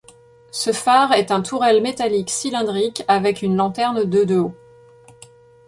Ce phare est un tourelle métallique cylindrique, avec une lanterne de de haut.